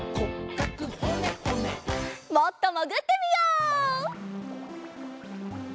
もっともぐってみよう。